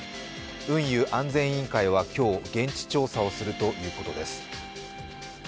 運輸安全委員会は今日現地調査をするということです。